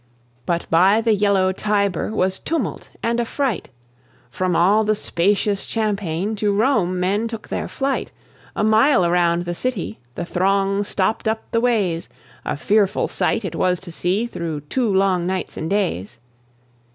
But by the yellow Tiber Was tumult and affright: From all the spacious champaign To Rome men took their flight. A mile around the city, The throng stopped up the ways; A fearful sight it was to see Through two long nights and days.